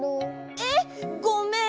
えっごめん！